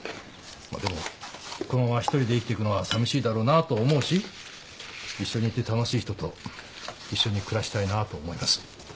まあでもこのまま一人で生きていくのはさみしいだろうなと思うし一緒にいて楽しい人と一緒に暮らしたいなと思います。